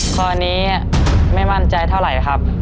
ข้อนี้ไม่มั่นใจเท่าไหร่ครับ